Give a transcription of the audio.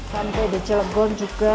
sampai di cilebon juga